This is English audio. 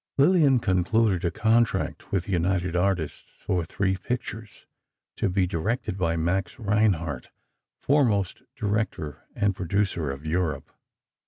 Lillian concluded a contract with the United Artists for three pictures, to be directed by Max Reinhardt, foremost director and producer of Europe.